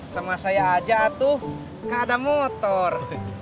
sama saya aja tuh gak ada motor